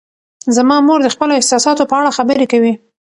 زما مور د خپلو احساساتو په اړه خبرې کوي.